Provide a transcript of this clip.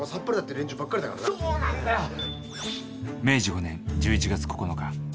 明治５年１１月９日